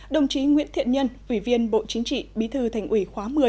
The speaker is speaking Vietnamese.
đồng chí nguyễn thiện nhân ủy viên bộ chính trị bí thư thành ủy khóa một mươi